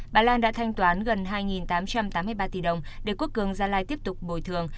bà lan đã thanh toán gần hai tám trăm tám mươi ba tỷ đồng để quốc cường gia lai tiếp tục bồi thường